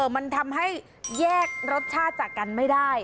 มันทำให้แยกรสชาติจากกันไม่ได้